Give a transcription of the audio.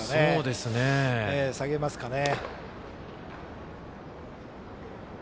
でも下げますかね。